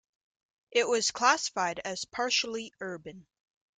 It was classified as partially urban.